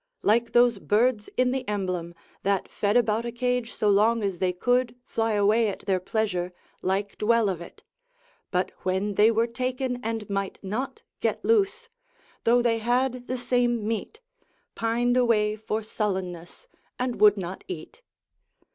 like those birds in the Emblem, that fed about a cage, so long as they could fly away at their pleasure liked well of it; but when they were taken and might not get loose, though they had the same meat, pined away for sullenness, and would not eat.